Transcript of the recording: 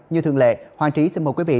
như thường lệ hoàng trí xin mời quý vị